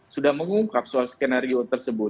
sudah mengungkap soal skenario tersebut